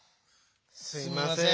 すみません。